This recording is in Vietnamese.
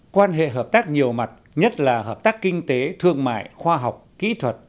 quan hệ hợp tác nhiều mặt nhất là hợp tác kinh tế thương mại khoa học kỹ thuật